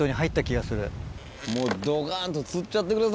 もうどかんと釣っちゃってくださいよ。